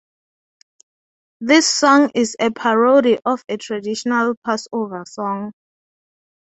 This song is a parody of a traditional Passover song.